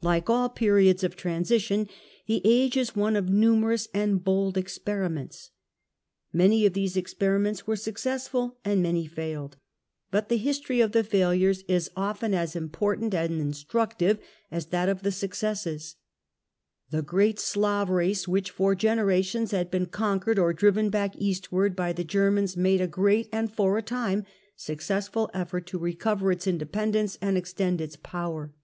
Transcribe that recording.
Like all periods of transition, the age is one of numerous and bold experiments. Many of these experiments were successful, and many failed : but the history of the failures is often as im viii THE END OF THE MIDDLE AGE portant and instructive as that of the successes. The great Slav race, which for generations had been conquered or driven back eastwards by the Germans, made a great and for a time successful effort to recover its independence and extend its power.